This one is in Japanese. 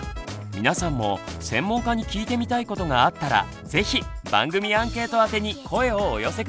皆さんも専門家に聞いてみたいことがあったら是非番組アンケート宛てに声をお寄せ下さい。